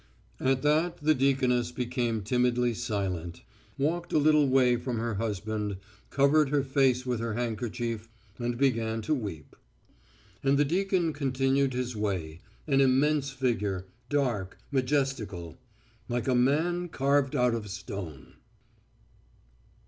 At that the deaconess became timidly silent, walked a little way from her husband, covered her face with her handkerchief, and began to weep. And the deacon continued his way, an immense figure, dark, majestical, like a man carved out of stone.